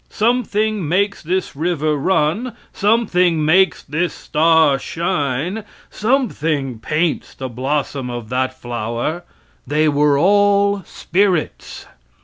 Something makes this river run, something makes this star shine, something paints the blossom of that flower. They were all spirits.